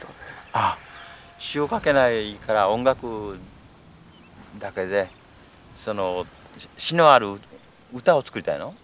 ああ詞を書けないから音楽だけで詞のある歌を作りたいの？